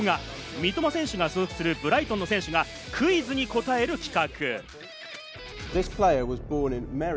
三笘選手が所属するブライトンの選手がクイズに答える企画。